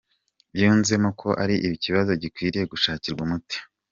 Yunzemo ko ari ikibazo gikwiriye gushakirwa umuti.